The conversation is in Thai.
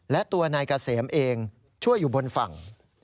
และตัวนายเกษมเองช่วยอยู่บนฝั่ง